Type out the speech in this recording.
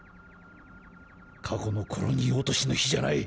過去のコロニー落としの比じゃない。